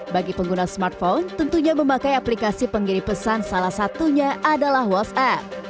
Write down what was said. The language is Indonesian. bagi pengguna smartphone tentunya memakai aplikasi pengiri pesan salah satunya adalah whatsapp